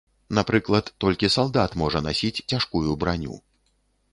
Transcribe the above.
Напрыклад, толькі салдат можа насіць цяжкую браню.